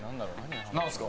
何ですか？